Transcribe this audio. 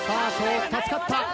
北助かった。